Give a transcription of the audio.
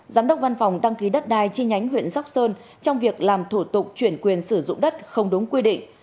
giám đốc văn phòng đăng ký đất đai chi nhánh huyện sóc sơn trong việc làm thủ tục chuyển quyền sử dụng đất không đúng quy định